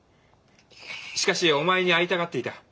しかしお前に会いたがっていた。